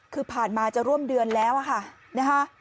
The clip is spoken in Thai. คือผ่านมาจะร่วมเดือนแล้วค่ะนะคะ